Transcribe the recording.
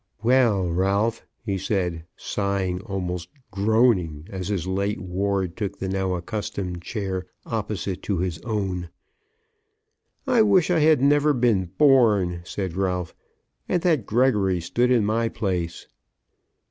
"Well, Ralph," he said, sighing, almost groaning, as his late ward took the now accustomed chair opposite to his own. "I wish I'd never been born," said Ralph, "and that Gregory stood in my place."